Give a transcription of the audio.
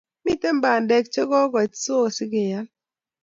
Miten Bandek che kokoit so sikeyal